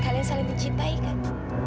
kalian saling mencintai kak